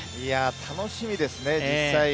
楽しみですね、実際。